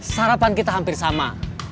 sarapan kita hampir sama